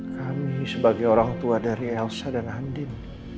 kami sebagai orang tua dari elsa dan handim